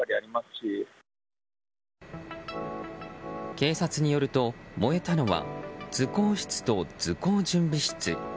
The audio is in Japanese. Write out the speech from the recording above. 警察によると、燃えたのは図工室と図工準備室。